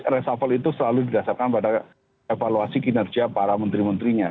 reshuffle itu selalu didasarkan pada evaluasi kinerja para menteri menterinya